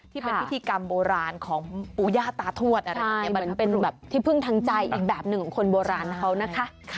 ที่เป็นพิธีกรรมโบราณของปู่ย่าตาทวดอะไรอย่างนี้มันเป็นแบบที่พึ่งทางใจอีกแบบหนึ่งของคนโบราณเขานะคะ